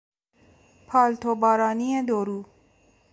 پالتو بارانی دورو